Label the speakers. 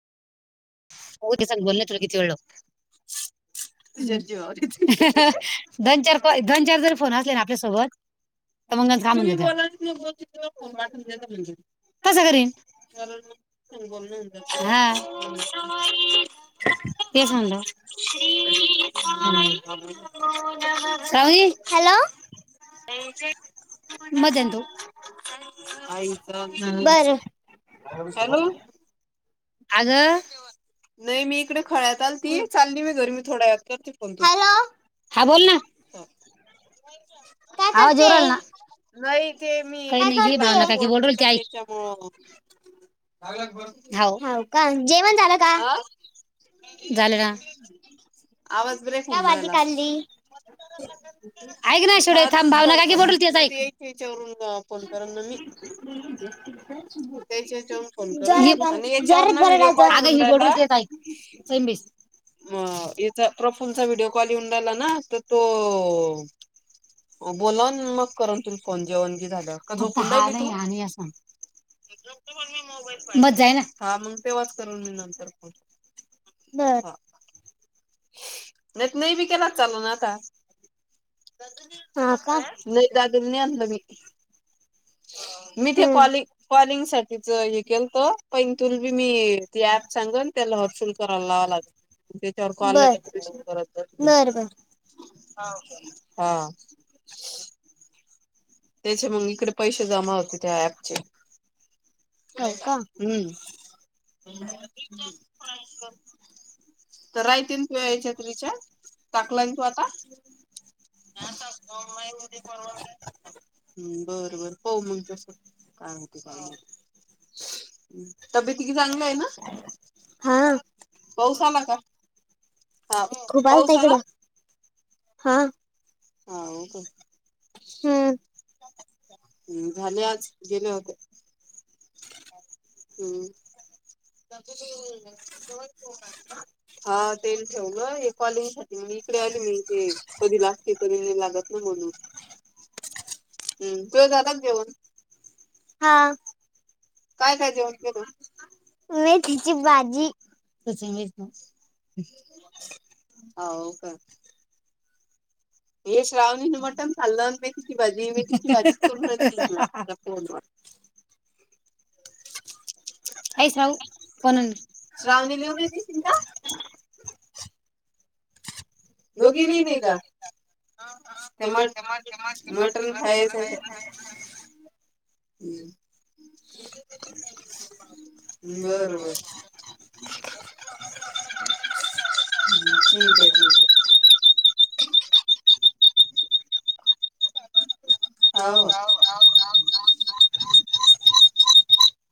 Speaker 1: होे सग बोल तर् किती वेळ लागते दोन चार दोन चार जर फोन असले ना आपल्यासोबत मग कस करीन चग बोल कसत [unintelligible] मदंत आय का
Speaker 2: का सुभा
Speaker 1: अगं नाही मी इकडे खळ्यात आल ती चालली मी गर्मी थोडा या करते फोन तुला हा बोल ना आवाज येऊ राहिला ना का नाही भावना का ब [inaudible]
Speaker 2: हो का जेवन झाल
Speaker 1: आह
Speaker 2: ह
Speaker 1: आवाज ब्रेक होऊन राहिला ऐक ना ऐश्वर्या थांब भावना काकी बलवत्या तीच्यावरून आता फोन करन ना मी
Speaker 2: [unintelligible] [unintelligible]
Speaker 1: म याचा प्रफुल्लचा व्हिडिओ कॉल येऊन राहीला ना तर तो बोलान मग करून तु फोन जेवण जे झालं मग जाई ना ह मग तेव्हाच करून मी नंतर पोहच
Speaker 2: बर
Speaker 1: नाहीत नाही बी केलात चालू ना आता नाही दगून नि आण ला म मी ते कॉलिंग कॉलिंग साठीच हे केल तो पण तुल बी मी ती ऍप सांगन त्याला शुल्क लावा लाग त्याच्यावर कॉलले त शुल्त हा हा त्याचे मग इकडे पैसे जमा होते त्या ऍपचे
Speaker 2: होव का
Speaker 1: [unintelligible] ् बरोबर हो मग तस काय माहिती काय
Speaker 2: हा खूप आलत इकडं हा
Speaker 1: हाव का हम्म झाले आज गेले होते हम्म हा तेल ठेव ग कॉलिंग इकडे आले मी ते कधी लागते तरी लागत ना म्हणून हम्म [inaudible] जातात घेऊन
Speaker 2: हा
Speaker 1: काय पाहिजे [inaudible]
Speaker 2: [unintelligible]
Speaker 1: [unintelligible] हे श्रावणी न मटन खाल्लं आणि मेथी ची भाजी मेथी ची भाजी करून राहिली ह हा हा हा.... [unintelligible] श्रावणी लिऊन देतीस का?
Speaker 2: दोघी नाही नाही का [unintelligible] [inaudible] बरोबर [inaudible]
Speaker 1: [unintelligible] हम्म ठीक आहे ठीक आहे
Speaker 2: [unintelligible]